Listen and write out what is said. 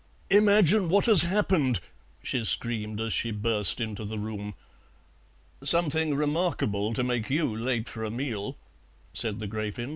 "Imagine what has happened!" she screamed as she burst into the room. "Something remarkable, to make you late for a meal," said the Gräfin.